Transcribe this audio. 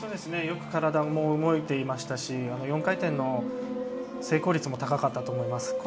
よく体も動いていましたし４回転の成功率も高かったと思います。